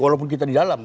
walaupun kita di dalam